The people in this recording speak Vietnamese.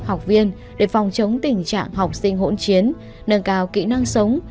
học viên để phòng chống tình trạng học sinh hỗn chiến nâng cao kỹ năng sống